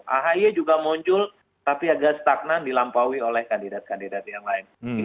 ahy juga muncul tapi agak stagnan dilampaui oleh kandidat kandidat yang lain